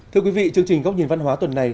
thưa quý vị chương trình góc nhìn văn hóa tuần này